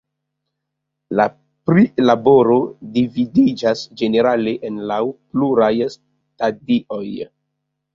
La prilaboro dividiĝas ĝenerale en laŭ pluraj stadioj.